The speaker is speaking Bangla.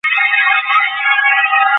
তিনি অসংখ্য গানও রচনা করেছিলেন।